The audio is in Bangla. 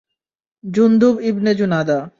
জুনদুব ইবনে জুনাদা।